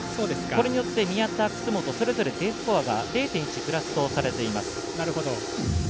これによって宮田、楠元それぞれＤスコアが０．１プラスとされています。